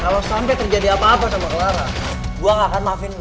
kalau sampai terjadi apa apa sama clara gue gak akan maafin